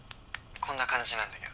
こんな感じなんだけど。